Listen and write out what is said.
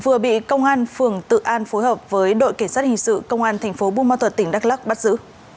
vừa bị công an phường tự an phối hợp với đội kiểm soát hình sự công an thành phố bung mau thuật tỉnh đắk lắc bắt giữ